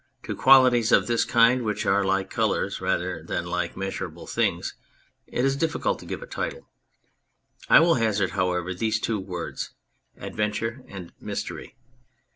To qualities of this kind, which are like colours rather than like measurable things, it is difficult to give a title ; I will hazard, however, these two words, "Adventure" and "Mystery."